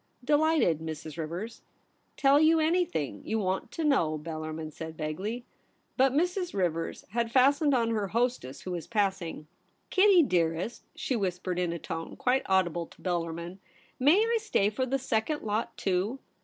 * Delighted, Mrs. Rivers — tell you anything you want to know,' Bellarmin said vaguely. But Mrs. Rivers had fastened on to her MADAME SPIN OLA AT HOME. 119 hostess, who was passing. ' Kitty, dearest,' she whispered in a tone quite audible to Bellarmin, ' may I stay for the second lot too